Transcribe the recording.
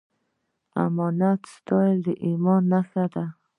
امانت ساتل د ایمان نښه ده